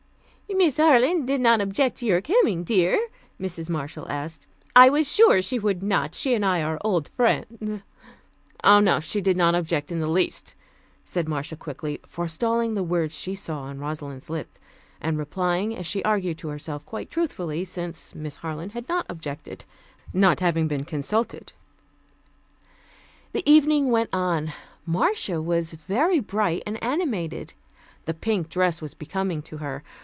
"Miss Harland did not object to your coming, dear?" Mrs. Marshall asked. "I was sure she would not, she and I are old friends " "Oh, no, she did not object in the least," said Marcia quickly, forestalling the words she saw on Rosalind's lips, and replying, as she argued to herself, quite truthfully, since Miss Harland had not objected, not having been consulted. The evening went on. Marcia was very bright and animated. The pink dress was becoming to her.